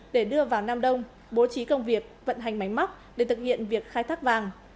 để đưa vào nam đông bố trí công việc vận hành máy móc để thực hiện việc khai thác vàng